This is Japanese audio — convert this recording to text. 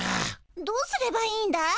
どうすればいいんだい？